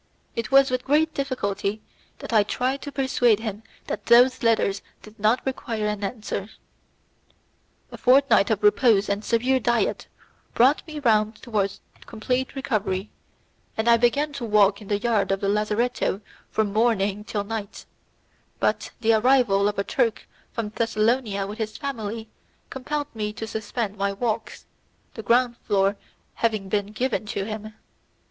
It was with great difficulty that I tried to persuade him that those letters did not require any answer. A fortnight of repose and severe diet brought me round towards complete recovery, and I began to walk in the yard of the lazzaretto from morning till night; but the arrival of a Turk from Thessalonia with his family compelled me to suspend my walks, the ground floor having been given to him.